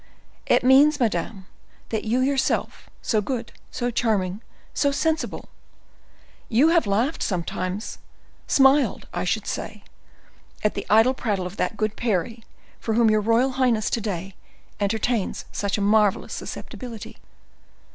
"It means, madam, that you yourself, so good, so charming, so sensible, you have laughed sometimes—smiled, I should say—at the idle prattle of that good Parry, for whom your royal highness to day entertains such a marvelous susceptibility."